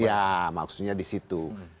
ya maksudnya disitu